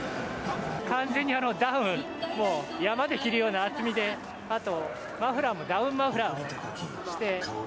完全にダウン、もう山で着るような厚みで、あとマフラーもダウンマフラーをして。